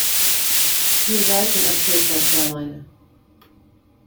He resides in upstate South Carolina.